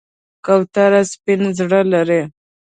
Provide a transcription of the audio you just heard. کوتره سپین زړه لري.